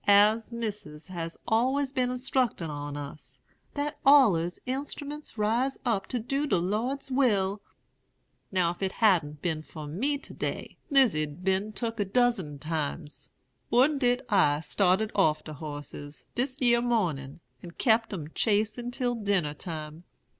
'As Missis has allers been instructin' on us, thar's allers instruments ris up to do de Lord's will. Now if it hadn't been for me to day, Lizy'd been took a dozen times. Warn't it I started off de hosses, dis yere mornin', and kept 'em chasin' till dinner time?